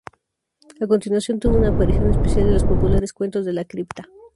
A continuación, tuvo una aparición especial en los populares "Cuentos de la Cripta".